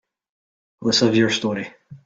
Let's have your story.